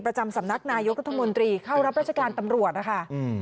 ประจำสำนักนายกรัฐมนตรีเข้ารับราชการตำรวจนะคะอืม